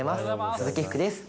鈴木福です。